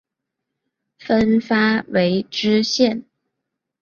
分发为知县。